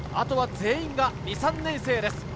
あとは全員が２３年生です。